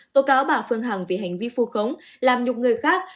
tố cáo bà phương hằng vì hành vi phu khống làm nhục người khác